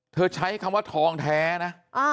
ใช้คำว่าทองแท้นะ